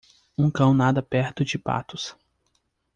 um cão nada perto de patos.